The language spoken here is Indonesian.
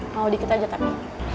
mau dikit aja tapi